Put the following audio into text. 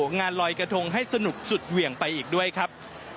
งานลอยกระทงให้สนุกสุดเหวี่ยงไปอีกด้วยครับ